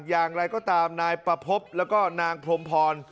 อย่างไรก็ตามนายประพบแล้วก็นางพรมพร